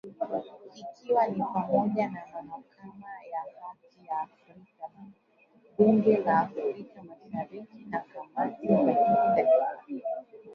ikiwa ni pamoja na Mahakama ya Haki ya Afrika Bunge la Afrika Mashariki na kamati za kisekta